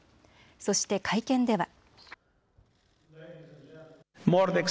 そして会見では。